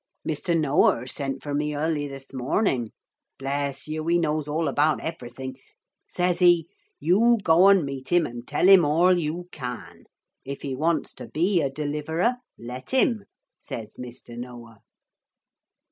'Mr. Noah sent for me early this morning. Bless you, he knows all about everything. Says he, "You go and meet 'im and tell 'im all you can. If he wants to be a Deliverer, let 'im," says Mr. Noah.'